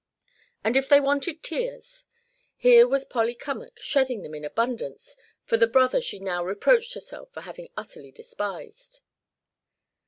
And if they wanted tears, here was Polly Cummack shedding them in abundance for the brother she now reproached herself for having utterly despised.